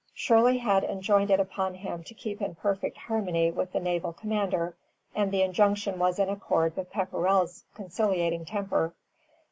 Shirley had enjoined it upon him to keep in perfect harmony with the naval commander, and the injunction was in accord with Pepperrell's conciliating temper.